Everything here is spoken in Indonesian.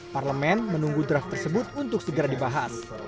parlemen menunggu draft tersebut untuk segera dibahas